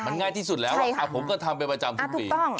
มันง่ายที่สุดแล้วผมก็ทำเป็นประจำทุกปี